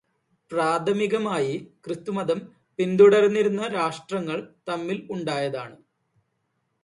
പ്രാഥമികമായി ക്രിസ്തുമതം പിന്തുടര്ന്നിരുന്ന രാഷ്ട്രങ്ങള് തമ്മില് ഉണ്ടായതാണ്.